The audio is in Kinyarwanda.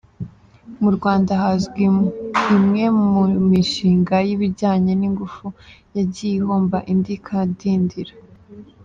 Mu Rwanda hazwi imwe mu mishinga y’ibijyanye n’ingufu yagiye ihomba indi ikadindira.